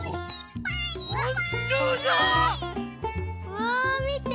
うわみて。